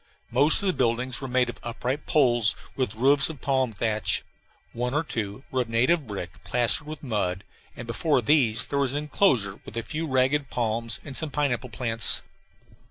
Most of the buildings were made of upright poles with roofs of palm thatch. One or two were of native brick, plastered with mud, and before these there was an enclosure with a few ragged palms, and some pineapple plants.